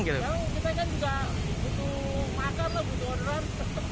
kita kan juga butuh makan butuh orderan